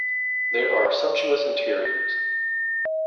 There are sumptuous interiors.